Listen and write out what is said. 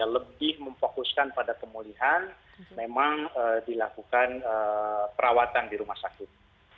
lebih memfokuskan pada pemulihan memang dilakukan perawatan di rumah sakit